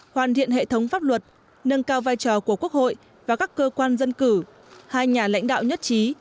hoàn thiện hệ thống pháp luật nâng cao vai trò của quốc hội và các cơ quan dân cử hai nhà lãnh đạo nhất trí